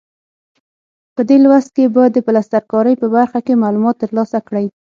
په دې لوست کې به د پلستر کارۍ په برخه کې معلومات ترلاسه کړئ.